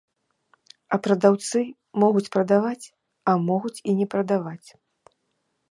А прадаўцы могуць прадаваць, а могуць і не прадаваць.